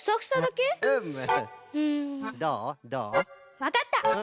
わかった！